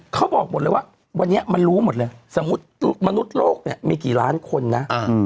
เขาบอกหมดเลยว่าวันนี้มันรู้หมดเลยสมมุติมนุษย์มนุษย์โลกเนี่ยมีกี่ล้านคนนะ